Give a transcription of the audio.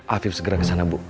aktif segera ke sana bu